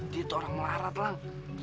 dia tuh orang melarat lang